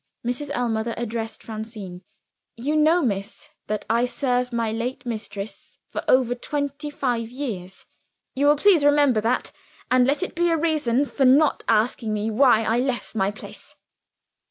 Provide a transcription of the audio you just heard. Mrs. Ellmother addressed Francine. "You know, miss, that I served my late mistress for over twenty five years. Will you please remember that and let it be a reason for not asking me why I left my place."